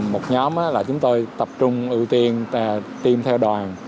một nhóm là chúng tôi tập trung ưu tiên tiêm theo đoàn